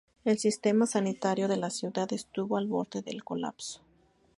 El sistema sanitario de la ciudad estuvo al borde del colapso..